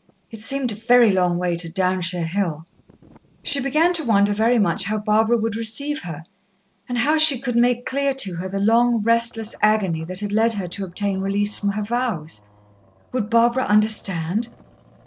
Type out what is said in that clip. It seemed a very long way to Downshire Hill. She began to wonder very much how Barbara would receive her, and how she could make clear to her the long, restless agony that had led her to obtain release from her vows. Would Barbara understand?